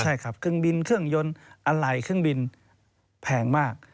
ใช่ครับเครื่องบินเครื่องยนต์อะไรเครื่องบินแพงมาก